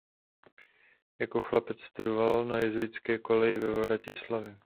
Jako chlapec studoval na jezuitské koleji ve Vratislavi.